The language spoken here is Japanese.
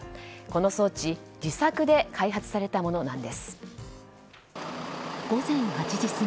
この装置自作で開発されたものなんです。